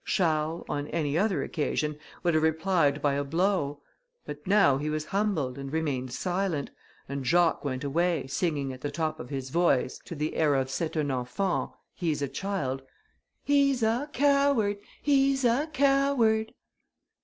Charles, on any other occasion, would have replied by a blow; but now he was humbled, and remained silent, and Jacques went away, singing at the top of his voice, to the air of "C'est un enfant," he's a child: "He's a coward, He's a coward."